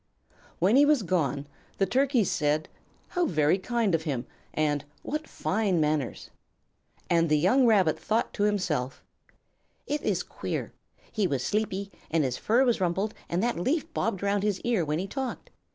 When he was gone, the Turkeys said: "How very kind of him!" and "What fine manners!" And the young Rabbit thought to himself: "It is queer. He was sleepy and his fur was rumpled, and that leaf bobbed around his ear when he talked.